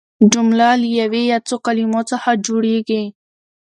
جمله له یوې یا څو کلیمو څخه جوړیږي.